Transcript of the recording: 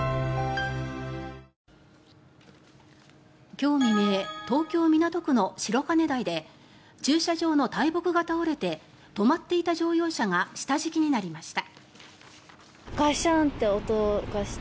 今日未明東京・港区の白金台で駐車場の大木が倒れて止まっていた乗用車が下敷きになりました。